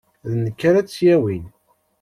D nekk ara tt-yawin.